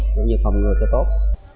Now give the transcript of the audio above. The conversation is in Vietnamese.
cũng như phòng ngồi cho tốt